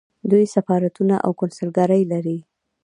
دوی سفارتونه او کونسلګرۍ لري.